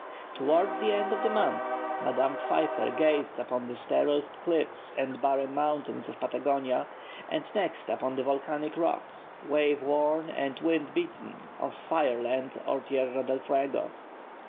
Towards the end of the month Madame Pfeiffer gazed upon the sterile cliffs and barren mountains of Patagonia, and next upon the volcanic rocks, wave worn and wind beaten, of Fire Land, or Tierra del Fuego.